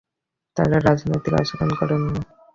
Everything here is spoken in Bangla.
তাঁরা রাজনৈতিক আচরণ করেননি।